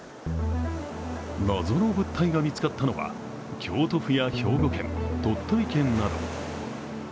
謎の物体が見つかったのは京都府や兵庫県、鳥取県など。